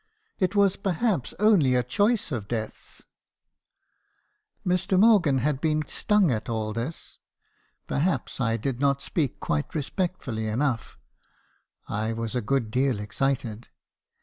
It was, perhaps, only a choice of deaths !' "Mr. Morgan had been stung at all this. Perhaps I did not speak quite respectfully enough; I was a good deal excited.